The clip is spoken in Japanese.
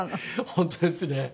本当ですね。